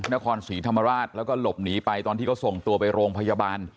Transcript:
นครศรีธรรมราชแล้วก็หลบหนีไปตอนที่เขาส่งตัวไปโรงพยาบาล